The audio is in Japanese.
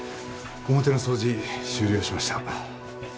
表の掃除終了しました。